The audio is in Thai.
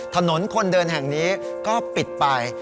ถนนคนเดินแห่งนี้ก็ปิดไป